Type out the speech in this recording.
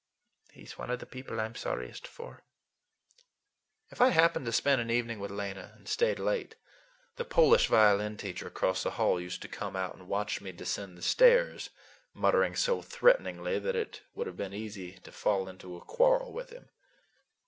He's one of the people I'm sorriest for." If I happened to spend an evening with Lena and stayed late, the Polish violin teacher across the hall used to come out and watch me descend the stairs, muttering so threateningly that it would have been easy to fall into a quarrel with him.